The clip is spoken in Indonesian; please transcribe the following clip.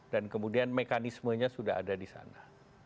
dan kemudian mekanismenya sudah ada disana